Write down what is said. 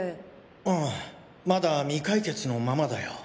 うんまだ未解決のままだよ。